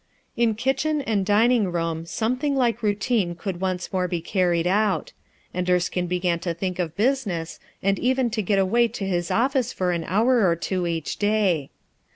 In kitchen and dining room something like routine could once more be carried out; and Erskine began to think of bushes,, and even to get away to his office for an hour or two each day.